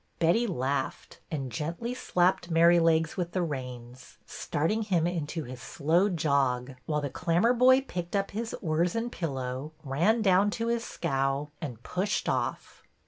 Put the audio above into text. Betty laughed, and gently slapped Merrylegs with the reins, starting him into his slow jog, while the Clammerboy picked up his oars and pillow, ran down to his scow, and pushed off.